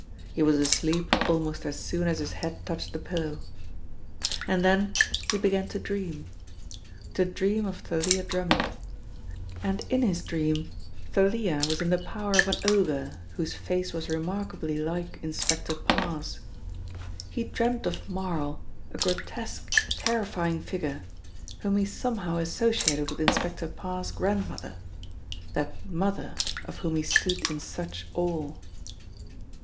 He was asleep almost as soon as his head touched the pillow. And then he began to dream. To dream of Thalia Drummond; and in his dream, Thalia was in the power of an ogre whose face was remarkably like Inspector Parr's. He dreamt of Marl, a grotesque terrifying figure, whom he somehow associated with Inspector Parr's grandmother that "mother" of whom he stood in such awe.